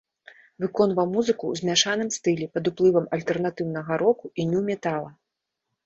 Выконваў музыку ў змяшаным стылі пад уплывам альтэрнатыўнага року і ню-метала.